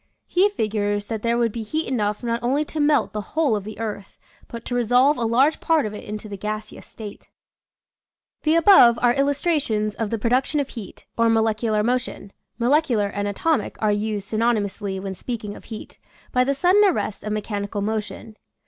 He figures that there would be heat enough not only to melt the whole of the earth, but to resolve a large part of it into the gaseous state. G; Original from l {{~ UNIVERSITY OF WISCONSIN 136 nature's Atraclee. The above are illustrations of the produc tion of heat, or molecular motion (" molecu lar " and " atomic " are used synonymously when speaking of heat), by the sudden arrest of mechanical motion.